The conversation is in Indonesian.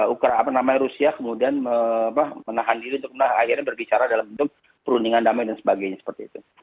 ukra apa namanya rusia kemudian menahan diri untuk kemudian akhirnya berbicara dalam bentuk perundingan damai dan sebagainya seperti itu